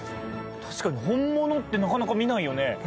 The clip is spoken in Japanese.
確かに本物ってなかなか見ないよね